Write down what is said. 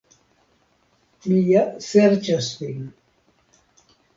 Mi ja serĉas vin.